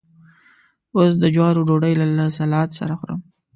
اوس د جوارو ډوډۍ له سلاد سره خورم.